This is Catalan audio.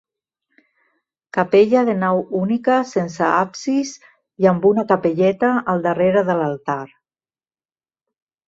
Capella de nau única sense absis i amb una capelleta al darrere de l'altar.